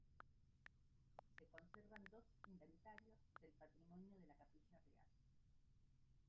Se conservan dos inventarios del patrimonio de la Capilla Real.